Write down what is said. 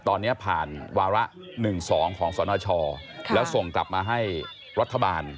ตอนนี้ผ่านวาระ๑๒ของสนชแล้วส่งกลับมาให้รัฐบาล